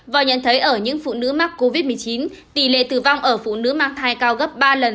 và nhận thấy ở những phụ nữ mắc covid một mươi chín tỷ lệ tử vong ở phụ nữ mang thai cao gấp ba lần